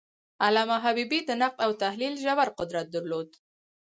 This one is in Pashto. علامه حبیبي د نقد او تحلیل ژور قدرت درلود.